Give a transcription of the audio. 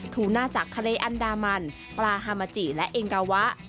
ทูน่าจากทะเลอันดามันปลาฮามาจิและเอ็งกาวะ